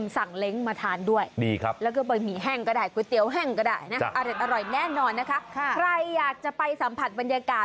ส้มตำขอบพดคุณชอบ